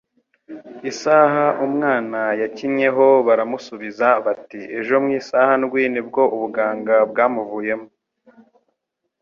isaha umwana yakinyeho. Baramusubiza bati: "Ejo mu isaha ndwi ni bwo ubuganga bwamuvuyemo."